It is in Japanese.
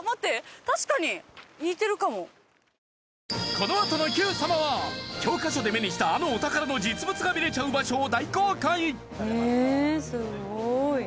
このあとの『Ｑ さま！！』は教科書で目にしたあのお宝の実物が見れちゃう場所を大公開へえーすごい！